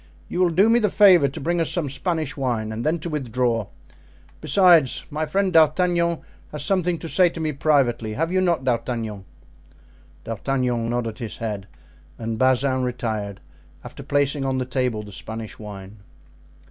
You will do me the favor to bring us some Spanish wine and then to withdraw. Besides, my friend D'Artagnan has something to say to me privately, have you not, D'Artagnan?" D'Artagnan nodded his head and Bazin retired, after placing on the table the Spanish wine.